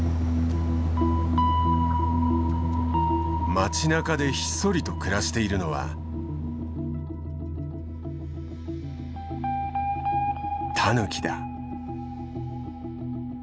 街なかでひっそりと暮らしているのはタヌキだ。